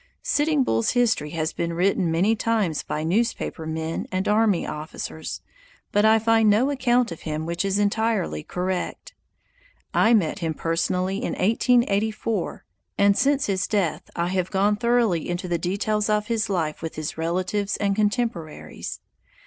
Sitting Bull's history has been written many times by newspaper men and army officers, but I find no account of him which is entirely correct. I met him personally in 1884, and since his death I have gone thoroughly into the details of his life with his relatives and contemporaries.